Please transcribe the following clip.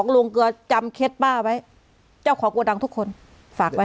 ป่อยของหลวงเกลือจำเค็ดบ้าไว้เจ้าของอยู่ดังทุกคนฝากไว้